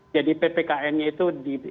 jadi ppkn nya itu